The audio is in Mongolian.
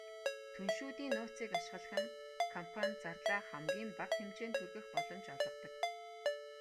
Түншүүдийн нууцыг ашиглах нь компани зардлаа хамгийн бага хэмжээнд хүргэх боломж олгодог.